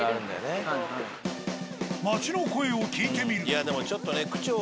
町の声を聞いてみると。